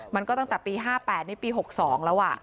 มันก็ตั้งแต่ปี๕๘ในปี๖๒แล้ว